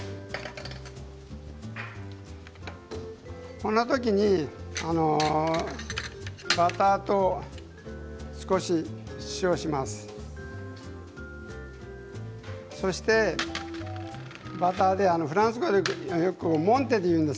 このときにバターと少し塩をします。